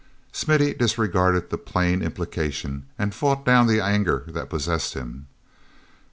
Smithy disregarded the plain implication and fought down the anger that possessed him.